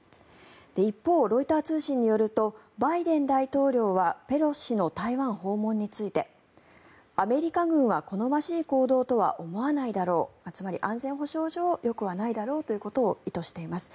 一方、ロイター通信によるとバイデン大統領はペロシ氏の台湾訪問についてアメリカ軍は、好ましい行動とは思わないだろうつまり、安全保障上よくはないだろうということを意図しています。